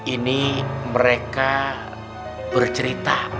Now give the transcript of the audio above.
ini mereka bercerita